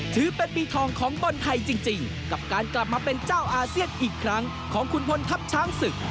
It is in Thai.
ถือเป็นปีทองของคนไทยจริงกับการกลับมาเป็นเจ้าอาเซียนอีกครั้งของคุณพลทัพช้างศึก